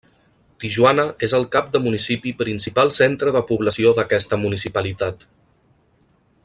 Tijuana és el cap de municipi i principal centre de població d'aquesta municipalitat.